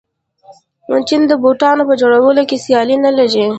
چین د بوټانو په جوړولو کې سیال نلري.